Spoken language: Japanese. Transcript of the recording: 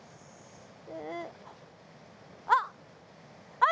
あっ！